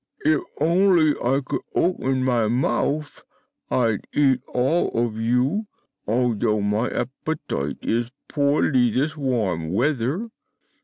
If only I could open my mouth, I'd eat all of you, although my appetite is poorly this warm weather."